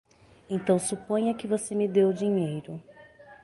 Então suponha que você me dê o dinheiro.